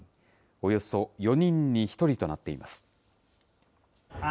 およそ４人に１人となっています。